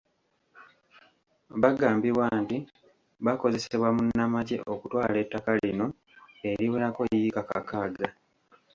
Bagambibwa nti bakozesebwa munnamagye okutwala ettaka lino eriwerako yiika kakaaga.